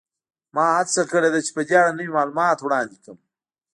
ما هڅه کړې چې په دې اړه نوي معلومات وړاندې کړم